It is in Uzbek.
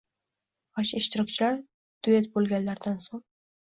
Barcha ishtirokchilar duyet bo‘lganlaridan so‘ng